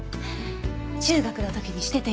中学の時にしてたやつ。